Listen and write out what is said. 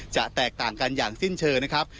จะแตกต่างกันอย่างสิ้นเชิงนะครับ